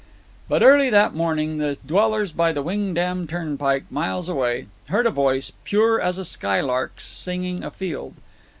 But early that morning the dwellers by the Wingdam turnpike, miles away, heard a voice, pure as a skylark's, singing afield.